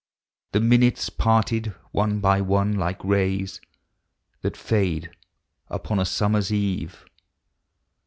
The minutes parting one by one, like rays That lade upon a summer's eve.